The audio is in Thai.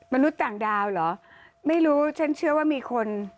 มนุษย์ต่างดาวเหรอไม่รู้ฉันเชื่อว่ามีคน